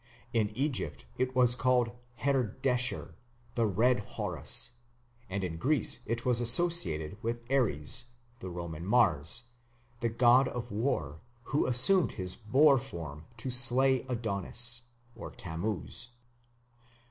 In Egypt it was called Herdesher, "the Red Horus", and in Greece it was associated with Ares (the Roman Mars), the war god, who assumed his boar form to slay Adonis (Tammuz).